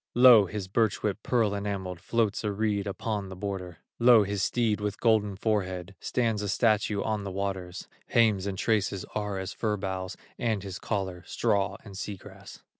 Lo! his birch whip, pearl enameled, Floats a reed upon the border; Lo! his steed with golden forehead, Stands a statue on the waters; Hames and traces are as fir boughs, And his collar, straw and sea grass.